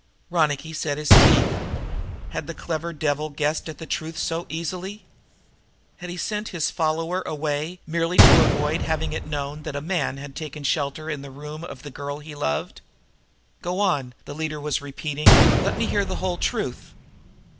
Ronicky set his teeth. Had the clever devil guessed at the truth so easily? Had he sent his follower away, merely to avoid having it known that a man had taken shelter in the room of the girl he loved? "Go on," the leader was repeating. "Let me hear the whole truth."